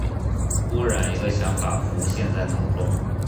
忽然一个想法浮现在脑中